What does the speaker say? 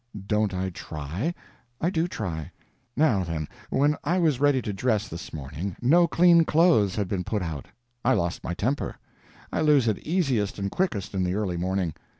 Don't I try? I do try. Now, then, when I was ready to dress, this morning, no clean clothes had been put out. I lost my temper; I lose it easiest and quickest in the early morning.